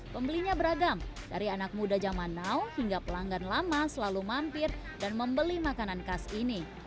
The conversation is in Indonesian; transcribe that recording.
pembelinya beragam dari anak muda zaman now hingga pelanggan lama selalu mampir dan membeli makanan khas ini